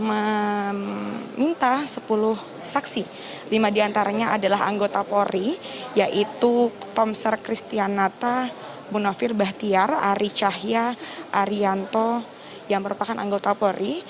meminta sepuluh saksi lima diantaranya adalah anggota polri yaitu tomser kristianata munafir bahtiar ari cahya arianto yang merupakan anggota polri